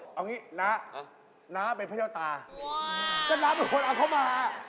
เอาอย่างงี้น้าน้าเป็นพระเจ้าตาจันตโฆรพเป็นคนเอาเข้ามา